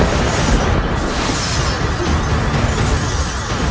kau akan menang